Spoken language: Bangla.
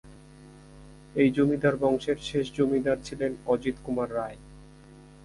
এই জমিদার বংশের শেষ জমিদার ছিলেন অজিত কুমার রায়।